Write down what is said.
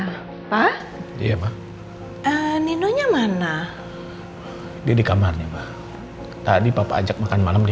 hai apa dia nino nya mana dia di kamarnya tadi papa ajak makan malam dia